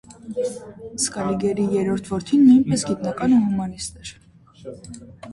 Սկալիգերի երրորդ որդին նույնպես գիտնական ու հումանիստ էր։